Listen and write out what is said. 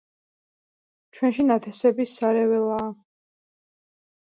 ჩვენში ნათესების სარეველაა.